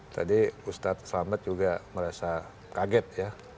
tadi ustaz slamet juga merasa kaget ya